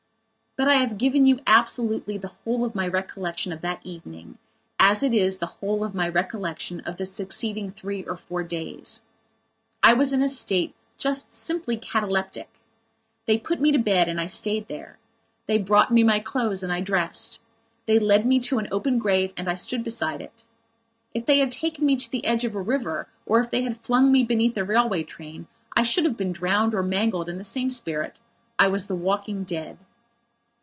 But I have given you absolutely the whole of my recollection of that evening, as it is the whole of my recollection of the succeeding three or four days. I was in a state just simply cataleptic. They put me to bed and I stayed there; they brought me my clothes and I dressed; they led me to an open grave and I stood beside it. If they had taken me to the edge of a river, or if they had flung me beneath a railway train, I should have been drowned or mangled in the same spirit. I was the walking dead.